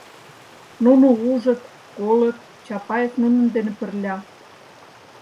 Нуно ужыт, колыт: Чапаев нунын дене пырля...